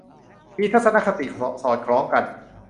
มีทัศนคติสอดคล้องกัน